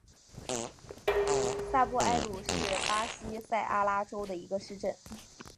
萨布埃鲁是巴西塞阿拉州的一个市镇。